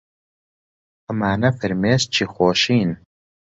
ئەمانە فرمێسکی خۆشین.